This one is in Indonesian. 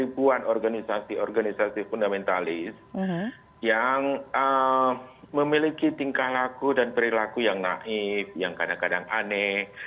ribuan organisasi organisasi fundamentalis yang memiliki tingkah laku dan perilaku yang naif yang kadang kadang aneh